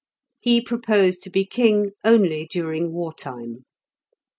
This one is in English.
He proposed to be king only during war time.